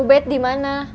ubed di mana